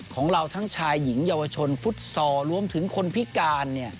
ของเราทั้งชายหญิงเยาวชนฟุตซอลรวมถึงคนพิการ